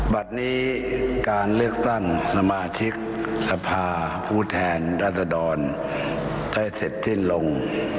บัตรนี้การเลือกตั้งสมาชิกสภาผู้แทนรัศดรได้เสร็จสิ้นลง